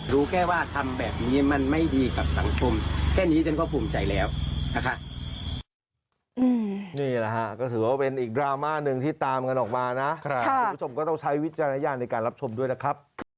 รู้แค่ว่าทำแบบนี้มันไม่ดีกับสังคมแค่นี้ฉันก็ภูมิใจแล้วนะคะ